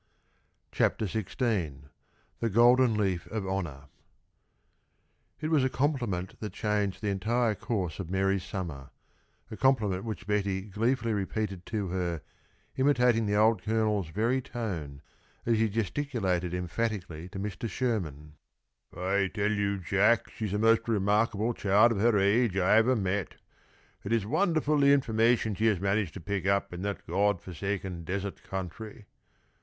CHAPTER XVI. THE GOLDEN LEAF OF HONOR It was a compliment that changed the entire course of Mary's summer; a compliment which Betty gleefully repeated to her, imitating the old Colonel's very tone, as he gesticulated emphatically to Mr. Sherman: "I tell you, Jack, she's the most remarkable child of her age I ever met. It is wonderful the information she has managed to pick up in that God forsaken desert country.